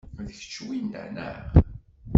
D kečč winna, neɣ?